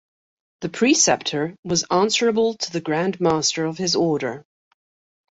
The Preceptor was answerable to the Grand Master of his order.